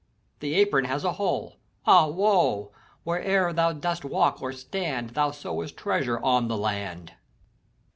The apron has a holci ah woe I . Wherever thou dost walk or stand, Thou sowest treasure on the land.